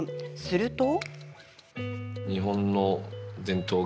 すると。